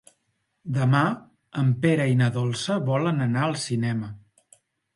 Demà en Pere i na Dolça volen anar al cinema.